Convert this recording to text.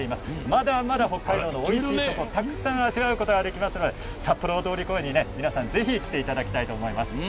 まだまだ北海道のおいしい食材をたくさん味わうことができますので札幌・大通公園に皆さん、ぜひ来ていただきたいと思います。